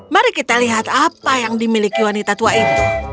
mari kita lihat apa yang dimiliki wanita tua itu